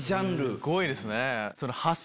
すごいですね。